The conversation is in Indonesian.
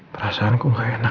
perasaanku gak enak